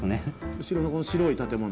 後ろのこの白い建物？